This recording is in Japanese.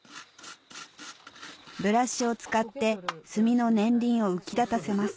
ブラシを使って炭の年輪を浮き立たせます